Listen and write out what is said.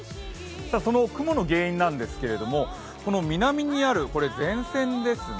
その雲の原因なんですけれども南にあるこれ、前線ですね。